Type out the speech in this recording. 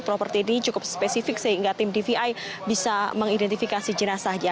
properti ini cukup spesifik sehingga tim dvi bisa mengidentifikasi jenazahnya